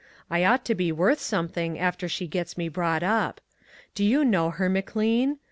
I ought to be worth something after she gets me brought up. Do you know her, McLean?